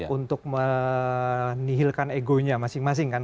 untuk menihilkan egonya masing masing kan